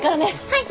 はい！